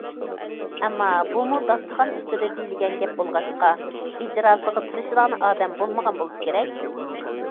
ئەمما بۇمۇ داستىخان ئۈستىدە دېيىلگەن گەپ بولغاچقا ئىجراسىغا تىرىشىدىغان ئادەم بولمىغان بولسا كېرەك.